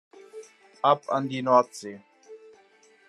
Ab an die Nordsee.